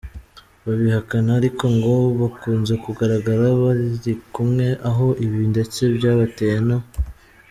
babihakana ariko ngo bakunze kugaragara bari kumwe aho ibi ndetse byabateye no.